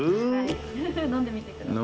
フフフ飲んでみてください。